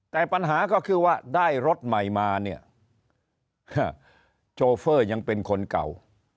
แต่ปัญหาก็คือว่าได้รถใหม่มาเนี่ยโชเฟอร์ยังเป็นคนเก่า